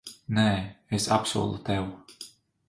Nē, es apsolu tev.